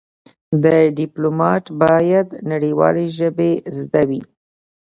د ډيپلومات بايد نړېوالې ژبې زده وي.